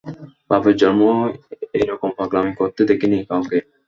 বাপের জন্মেও এরকম পাগলামি করতে দেখিনি কাউকে!